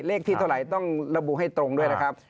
เลขที่เท่าไหร่ต้องระบุให้ตรงด้วยนะครับ